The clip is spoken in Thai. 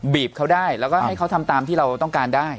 บีบเขาได้แล้วก็ให้เขาทำตามที่เราต้องการได้